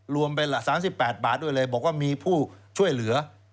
รวมเป็น๓๘บาทด้วยเลยบอกว่ามีผู้ช่วยเหลือ